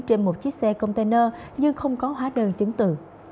trên một chiếc xe container nhưng không có hóa đơn chứng từ